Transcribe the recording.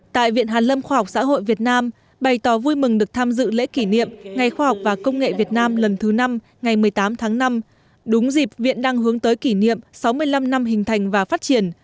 tại viện hàn lâm khoa học xã hội việt nam bày tỏ vui mừng được tham dự lễ kỷ niệm ngày khoa học và công nghệ việt nam lần thứ năm ngày một mươi tám tháng năm đúng dịp viện đang hướng tới kỷ niệm sáu mươi năm năm hình thành và phát triển